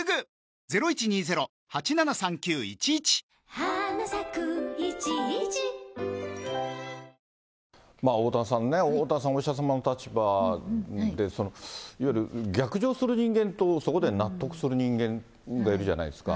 このあと、おおたわさんね、おおたわさん、お医者様の立場で、いわゆる逆上する人間とそこで納得する人間っているじゃないですか。